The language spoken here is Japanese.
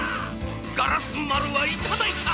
ガラスまるはいただいた！